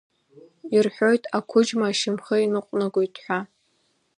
Ирҳәоит, ақәыџьма ашьамхы иныҟәнагоит ҳәа.